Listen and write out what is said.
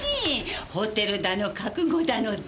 ホテルだの覚悟だのって。